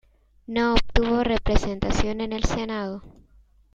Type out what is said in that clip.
No obtuvo representación en el Senado.